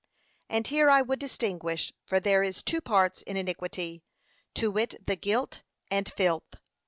And here I would distinguish, for there is two parts in iniquity, to wit, the guilt and filth.